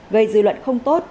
gây dư luận không tốt